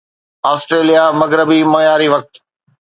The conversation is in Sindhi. آسٽريليا مغربي معياري وقت